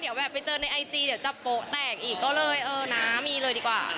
เดี๋ยวแบบไปเจอในไอจีเดี๋ยวจะโป๊ะแตกอีกก็เลยเออนะมีเลยดีกว่า